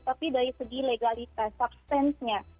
tapi dari segi legalitas substancenya